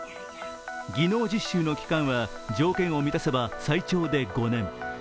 技能実習の期間は条件を満たせば最長で５年。